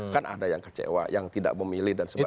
kan ada yang kecewa yang tidak memilih dan sebagainya